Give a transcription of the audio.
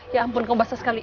ya ampun kau basah sekali